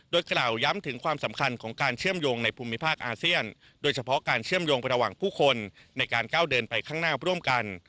โดยกล่าวย้ำถึงความสำคัญของการเชื่อมโยงในภูมิภาคอาเซียนโดยเฉพาะการเชื่อมโยงไประหว่างผู้คนในการก้าวเดินไปข้างหน้าร่วมกัน